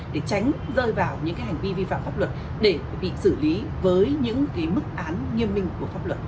để tránh rơi vào những hành vi vi phạm pháp luật để bị xử lý với những mức án nghiêm minh của pháp luật